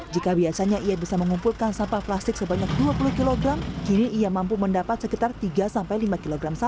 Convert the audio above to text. jika biasanya ia bisa mengumpulkan sampah plastik sebanyak dua puluh kg kini ia mampu mendapat sekitar tiga sampai lima kg sampah